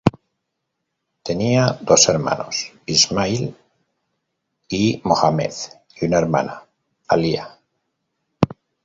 Tenía dos hermanos, Ismail y Mohammed y una hermana, Alia.